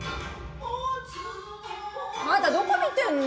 あなたどこ見てんの。